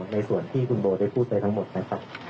ในส่วนที่คุณโบได้พูดไปทั้งหมดนะครับ